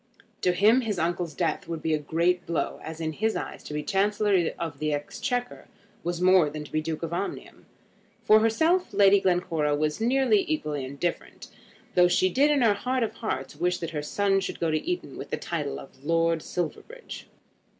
To him his uncle's death would be a great blow, as in his eyes to be Chancellor of the Exchequer was much more than to be Duke of Omnium. For herself Lady Glencora was nearly equally indifferent, though she did in her heart of hearts wish that her son should go to Eton with the title of Lord Silverbridge.